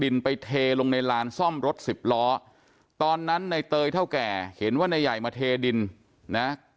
ดินไปเทลงในร้านซ่อมรถสิบล้อตอนนั้นในเตยเท่าแก่เห็นว่าในไหยมาเทดินนะก็ไม่ด้า